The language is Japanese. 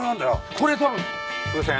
これ多分風船。